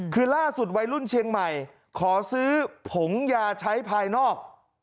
คือล่าสุดวัยรุ่นเชียงใหม่ขอซื้อผงยาใช้ภายนอก